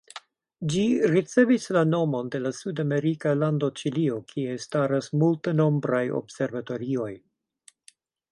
Ĝi ricevis la nomon de la sud-amerika lando Ĉilio, kie staras multenombraj observatorioj.